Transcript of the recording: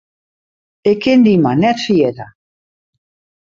Ik kin dy mar net ferjitte.